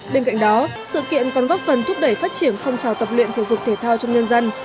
bên cạnh đó sự kiện còn góp phần thúc đẩy phát triển phong trào tập luyện thể dục thể thao trong nhân dân